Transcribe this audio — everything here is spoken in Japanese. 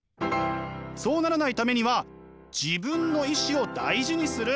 そうならないためには自分の意志を大事にする。